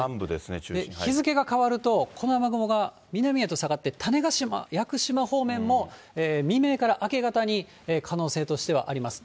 日付が変わると、この雨雲が南へと下がって、種子島、屋久島方面も、未明から明け方に可能性としてはあります。